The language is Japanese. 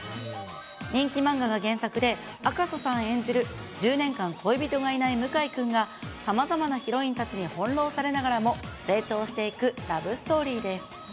人気漫画が原作で、赤楚さん演じる１０年間恋人がいない向井君が、さまざまなヒロインたちに翻弄されながらも成長していくラブストーリーです。